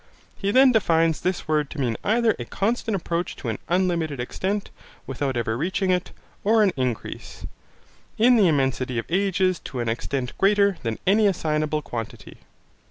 He then defines this word to mean either a constant approach to an unlimited extent, without ever reaching it, or an increase. In the immensity of ages to an extent greater than any assignable quantity.